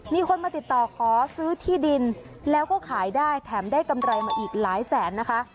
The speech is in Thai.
มีคนมาติดต่อขอซื้อที่ดินแล้วก็ขายได้แถมได้กำไรมาอีกหลายแสนนะคะ